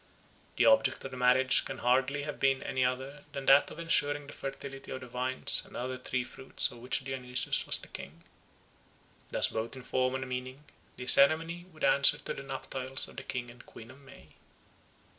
The object of the marriage can hardly have been any other than that of ensuring the fertility of the vines and other fruit trees of which Dionysus was the god. Thus both in form and in meaning the ceremony would answer to the nuptials of the King and Queen of May.